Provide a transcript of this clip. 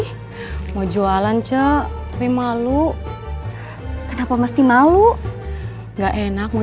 tumben jam segini tajil belum datang